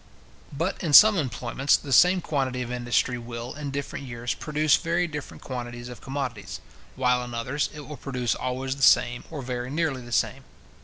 But, in some employments, the same quantity of industry will, in different years, produce very different quantities of commodities; while, in others, it will produce always the same, or very nearly the same.